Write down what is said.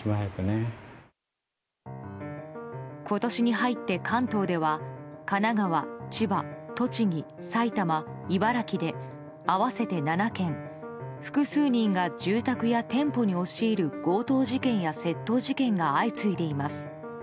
今年に入って、関東では神奈川、千葉、栃木、埼玉茨城で合わせて７件複数人が住宅や店舗に押し入る強盗事件や窃盗事件が相次いでいます。